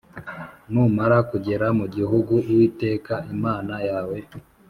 Numara kugera mu gihugu Uwiteka Imana yawe